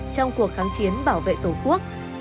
trong cuộc kháng chiến bảo vệ tổ quốc